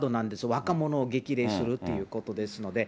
若者を激励するっていうことですのでね。